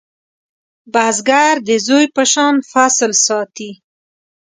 بزګر د زوی په شان فصل ساتي